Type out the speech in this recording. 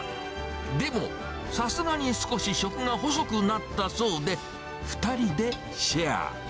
でも、さすがに少し、食が細くなったそうで、２人でシェア。